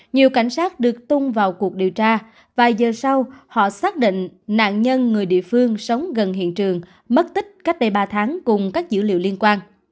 nhiều cảnh sát được tung vào cuộc điều tra vài giờ sau họ xác định nạn nhân người địa phương sống gần hiện trường mất tích cách đây ba tháng cùng các dữ liệu liên quan